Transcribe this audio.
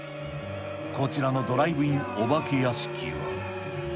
こちらのドライブインお化け屋敷は。